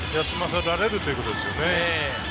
休ませられるということですよね。